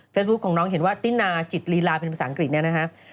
ของน้องเห็นว่าตินาจิตลีลาเป็นภาษาอังกฤษเนี่ยนะครับ